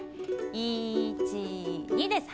１２です。